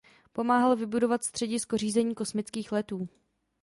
Pomáhal vybudovat Středisko řízení kosmických letů.